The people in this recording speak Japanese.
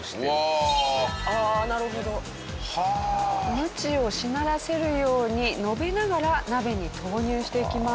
ムチをしならせるように延べながら鍋に投入していきます。